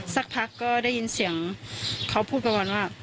สักพักก็ได้ยินเสียงเขาพูดประมาณว่า